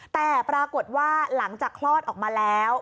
แต่ปรากฏว่าหลังจากคลอดออกมาแล้ว